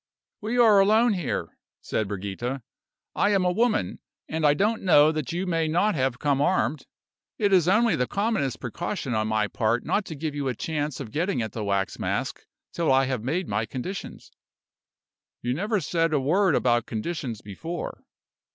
"We are alone here," said Brigida. "I am a woman, and I don't know that you may not have come armed. It is only the commonest precaution on my part not to give you a chance of getting at the wax mask till I have made my conditions." "You never said a word about conditions before."